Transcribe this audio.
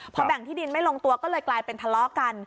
พอแบ่งที่ดินไม่ลงตัวก็เลยกลายเป็นทะเลาะกัน